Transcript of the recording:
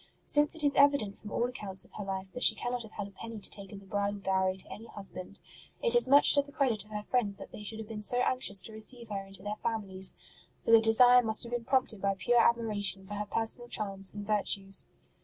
Since it is evident from all accounts of her life that she cannot have had a penny to take as a bridal dowry to any husband, it is much to the credit of her friends that they should have been so anxious to receive her into their families, for the desire must have been prompted by pure admiration for her personal charms and virtues.